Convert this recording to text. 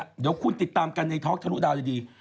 เดี๋ยวคุณติดตามกันในท็อกทะลุดาวดี